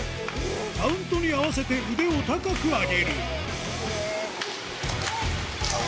カウントに合わせて腕を高く上げる。